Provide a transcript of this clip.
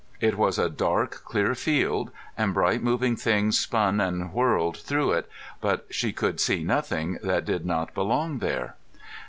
It was a dark clear field and bright moving things spun and swirled through it, but she could see nothing that did not belong there.